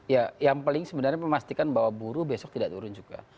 ya yang paling sebenarnya memastikan bahwa buruh besok tidak turun juga